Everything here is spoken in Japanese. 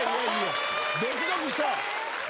ドキドキした。